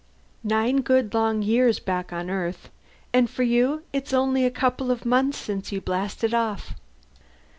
Nine good long years, back on Earth. And for you it's only a couple of months since you blasted off!"